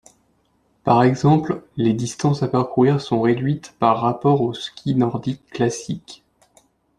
Par exemple, les distances à parcourir sont réduites par rapport au ski nordique classique.